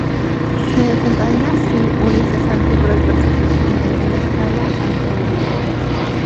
Se desencadena, así, una incesante y cruel persecución de gran escala a este grupo.